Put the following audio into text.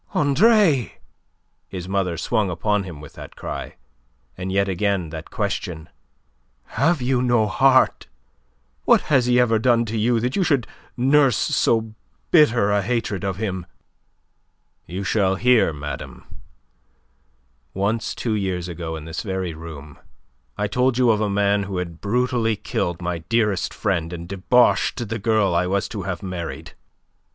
"Andre!" His mother swung upon him with that cry. And yet again that question. "Have you no heart? What has he ever done to you that you should nurse so bitter a hatred of him?" "You shall hear, madame. Once, two years ago in this very room I told you of a man who had brutally killed my dearest friend and debauched the girl I was to have married. M.